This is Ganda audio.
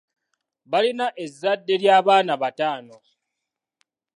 Balina ezzadde ly'abaana bataano